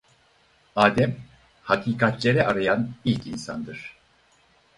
Adem hakikatleri arayan ilk insandır.